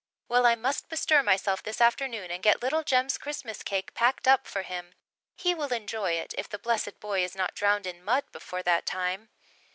Well, I must bestir myself this afternoon and get little Jem's Christmas cake packed up for him. He will enjoy it, if the blessed boy is not drowned in mud before that time."